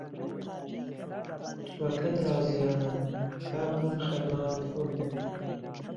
تووهکهت رازیانه، کاکم خهرمانت گوڵ بێ